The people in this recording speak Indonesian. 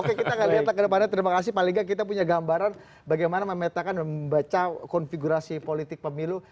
oke kita akan lihat ke depannya terima kasih pak liga kita punya gambaran bagaimana memetakan membaca konfigurasi politik pemilu